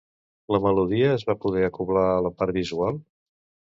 La melodia es va poder acoblar a la part visual?